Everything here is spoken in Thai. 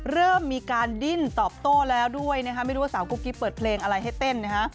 เริ่มมีการดิ้นตอบโต้แล้วด้วยนะคะไม่รู้ว่าสาวกุ๊กกิ๊บเปิดเพลงอะไรให้เต้นนะฮะ